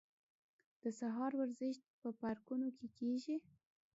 د سهار ورزش په پارکونو کې کیږي.